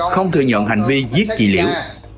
không thừa nhận hành vi giết chị liễu